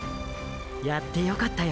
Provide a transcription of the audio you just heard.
やってよかったよ